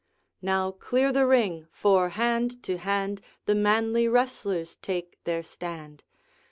Now, clear the ring! for, hand to hand, The manly wrestlers take their stand.